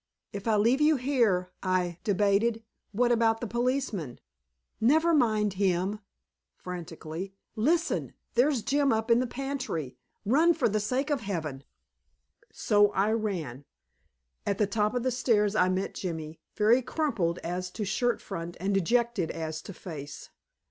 "If I leave you here," I debated, "what about the policeman?" "Never mind him" frantically. "Listen! There's Jim up in the pantry. Run, for the sake of Heaven!" So I ran. At the top of the stairs I met Jimmy, very crumpled as to shirt front and dejected as to face.